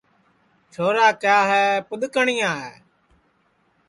چھورا کیا ہے پُدؔکٹؔیا ہے